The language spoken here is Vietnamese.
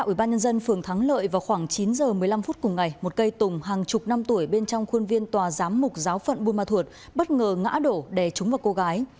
ủy ban nhân dân phường thắng lợi vào khoảng chín giờ một mươi năm phút cùng ngày một cây tùng hàng chục năm tuổi bên trong khuôn viên tòa giám mục giáo phận buôn ma thuột bất ngờ ngã đổ đè trúng vào cô gái